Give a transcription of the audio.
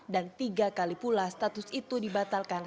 dan tiga kali pula status itu dibatalkan